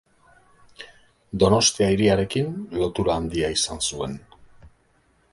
Donostia hiriarekin lotura handia izan zuen.